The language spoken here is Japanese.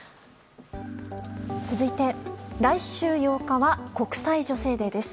続いて、来週８日は国際女性デーです。